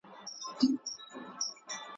زه د تور توپان په شپه څپه یمه ورکېږمه `